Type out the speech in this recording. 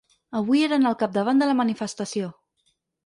Avui eren al capdavant de la manifestació.